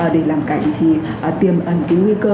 để làm cảnh thì tiềm ẩn cái nguy cơ